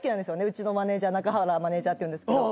うちのマネジャー中原マネジャーっていうんですけど。